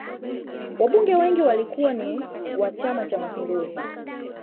wabunge wengi walikuwa ni wa chama cha mapinduzi